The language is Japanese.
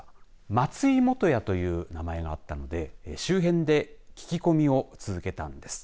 松井元哉という名前があったので周辺で聞き込みを続けたんです。